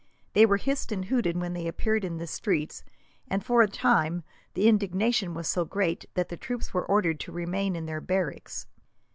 They were hissed and hooted when they appeared in the streets, and for a time, the indignation was so great that the troops were ordered to remain in their barracks.